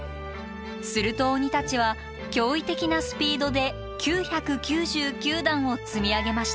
すると鬼たちは驚異的なスピードで９９９段を積み上げました。